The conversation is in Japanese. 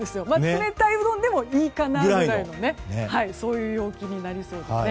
冷たいうどんでもいいかなぐらいのそういう陽気になりそうです。